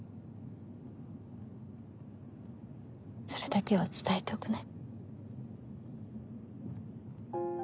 それだけは伝えておくね。